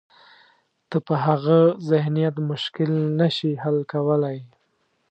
ته په هغه ذهنیت مشکل نه شې حل کولای.